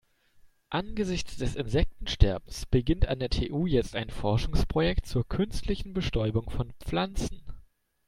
Angesichts des Insektensterbens beginnt an der TU jetzt ein Forschungsprojekt zur künstlichen Bestäubung von Pflanzen.